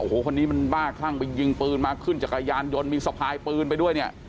โอ้โหคนนี้มันบ้าดข้างไปยิงปืนมาขึ้นจากขยานหยนดมีสอบพายปืนไปด้วย